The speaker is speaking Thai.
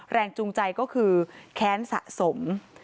แรงจูงใจก็คือแค้นสะสม